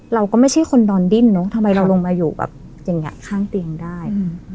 เราก็ไม่ใช่คนนอนดิ้นเนอะทำไมเราลงมาอยู่แบบอย่างนี้ข้างเตียงได้